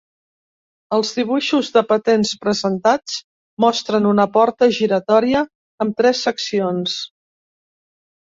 Els dibuixos de patents presentats mostren una porta giratòria amb tres seccions.